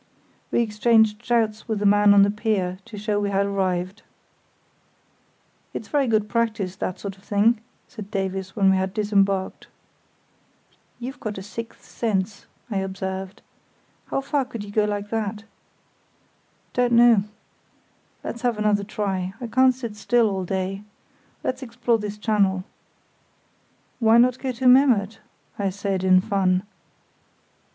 We exchanged shouts with the man on the pier to show we had arrived. Illustration: Chart B of Juist, Memmert, and Part of Norderney "It's very good practice, that sort of thing," said Davies, when we had disembarked. "You've got a sixth sense," I observed. "How far could you go like that?" "Don't know. Let's have another try. I can't sit still all day. Let's explore this channel." "Why not go to Memmert?" I said, in fun.